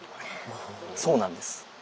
そうなんです。